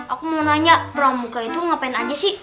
aku mau nanya pramuka itu ngapain aja sih